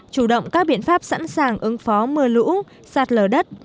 chủ động các biện pháp sẵn sàng ứng phó mưa lũ sạt lở đất